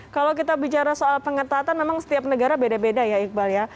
kalau kita bicara soal pengetatan memang setiap negara beda beda ya iqbal ya